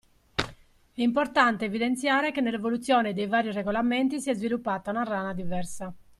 È importante evidenziare che nell'evoluzione dei vari regolamenti si è sviluppata una rana diversa.